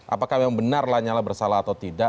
apakah memang benar lanyala bersalah atau tidak